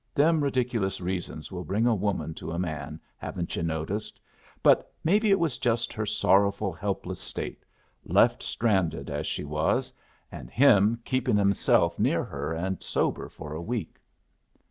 Them ridiculous reasons will bring a woman to a man, haven't yu' noticed? But maybe it was just her sorrowful, helpless state, left stranded as she was, and him keeping himself near her and sober for a week.